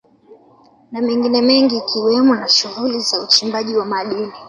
Na mengine mengi ikiwemo na shughuli za uchimbaji wa madini